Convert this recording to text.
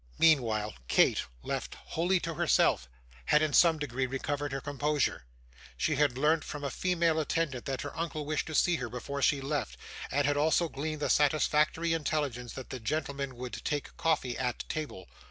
Meanwhile Kate, left wholly to herself, had, in some degree, recovered her composure. She had learnt from a female attendant, that her uncle wished to see her before she left, and had also gleaned the satisfactory intelligence, that the gentlemen would take coffee at table.